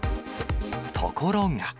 ところが。